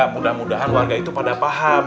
mudah mudahan warga itu pada paham